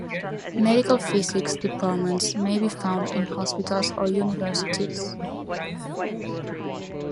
Medical physics departments may be found in hospitals or universities.